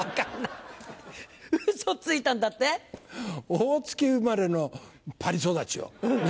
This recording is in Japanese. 大月生まれのパリ育ちよ。